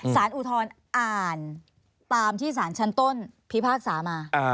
อุทธรณ์อ่านตามที่สารชั้นต้นพิพากษามา